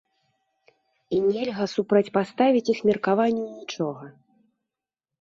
І нельга супрацьпаставіць іх меркаванню нічога!